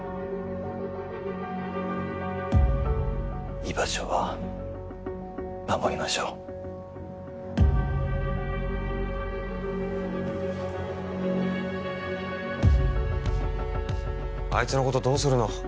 居場所は守りましょうあいつのことどうするの？